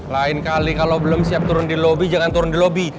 lain kali kalau belum siap turun di lobi jangan turun di lobi